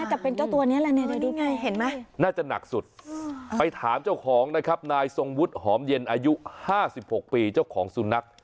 เห็นไหมน่าจะหนักสุดไปถามเจ้าของนะครับนายสงวุฒิหอมเย็นอายุ๕๖ปีเจ้าของสุนัข